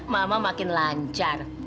mama makin lancar